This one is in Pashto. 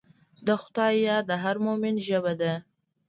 د خدای یاد د هر مؤمن ژبه ده.